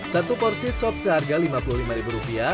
satu porsi sob seharga lima puluh lima rupiah